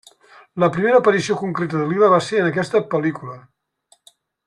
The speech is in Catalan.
La primera aparició concreta de Lila va ser en aquesta pel·lícula.